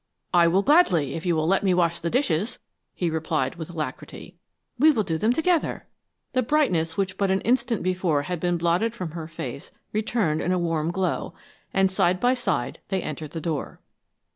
"I will, gladly, if you will let me wash the dishes," he replied, with alacrity. "We will do them together." The brightness which but an instant before had been blotted from her face returned in a warm glow, and side by side they entered the door.